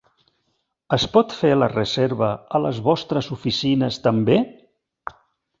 Es pot fer la reserva a les vostres oficines també?